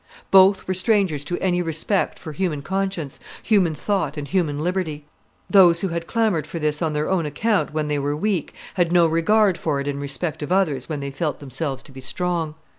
Both were strangers to any respect for human conscience, human thought, and human liberty. Those who had clamored for this on their own account when they were weak had no regard for it in respect of others when they felt themselves to be strong.